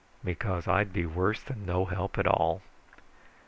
"Because I'd be worse than no help at all."